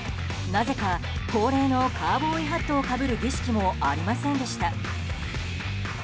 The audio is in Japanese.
なぜか恒例のカウボーイハットをかぶる儀式もありませんでした。